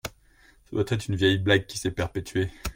Ce doit être une vieille blague qui s'est perpétuée.